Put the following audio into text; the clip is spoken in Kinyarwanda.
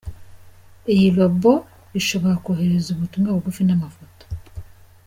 Iyi robot ishobora kohereza ubutumwa bugufi n’amafoto.